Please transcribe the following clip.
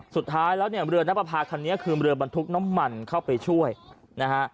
สุดท้ายแล้วเนี่ยเรือนับประพาคันนี้คือเรือบรรทุกน้ำมันเข้าไปช่วยนะฮะ